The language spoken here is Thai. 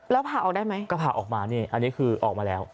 แล้วพาออกได้ไหมก็พาออกมานี่อันนี้คือออกมาแล้ว